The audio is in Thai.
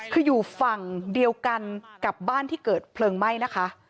คืออยู่ฝั่งเดียวกันกับบ้านที่เกิดเพลิงไหม้นะคะ